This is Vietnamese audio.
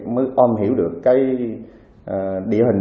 mới ôm hiểu được cái địa hình